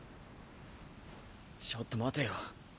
ちょっと待てよ。